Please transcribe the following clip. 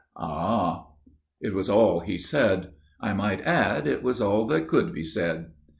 "Ah!" It was all he said. I might add, it was all that could be said.